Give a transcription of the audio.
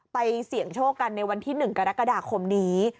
เสี่ยงโชคกันในวันที่๑กรกฎาคมนี้